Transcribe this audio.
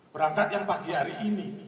berangkat yang pagi hari ini